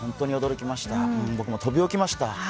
僕も飛び起きました。